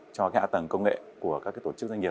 cho hạ tầng công nghệ của các tổ chức an ninh mạng này